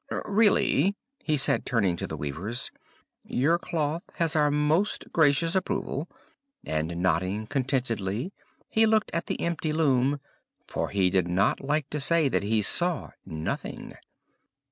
"Really," he said, turning to the weavers, "your cloth has our most gracious approval;" and nodding contentedly he looked at the empty loom, for he did not like to say that he saw nothing.